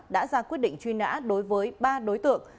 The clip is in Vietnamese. đã ra quyết định truy nã đối với ba đối tượng